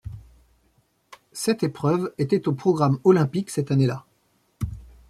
Sept épreuves étaient au programme olympique cette année-là.